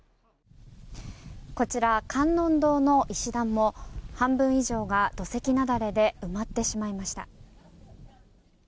こちらの観音堂の石段も半分以上が土石なだれで埋まってしまいました。